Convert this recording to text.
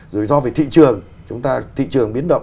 rủi ro về thị trường thị trường biến động